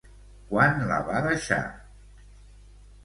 Quan la va deixar?